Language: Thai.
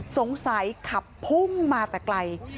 สงสัยขับพุ่งมาแต่ไกล